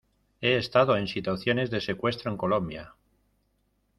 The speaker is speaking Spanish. he estado en situaciones de secuestro en Colombia.